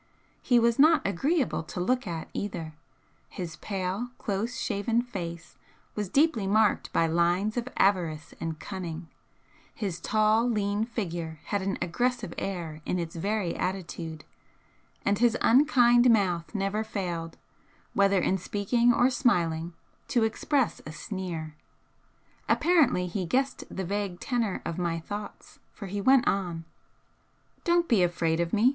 He was not agreeable to look at either; his pale, close shaven face was deeply marked by lines of avarice and cunning, his tall, lean figure had an aggressive air in its very attitude, and his unkind mouth never failed, whether in speaking or smiling, to express a sneer. Apparently he guessed the vague tenor of my thoughts, for he went on: "Don't be afraid of me!